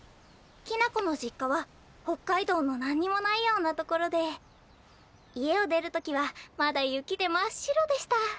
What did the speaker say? きな子の実家は北海道の何にもないようなところで家を出る時はまだ雪で真っ白でした。